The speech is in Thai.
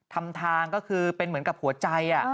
ทำทางก็คือเป็นเหมือนกับหัวใจ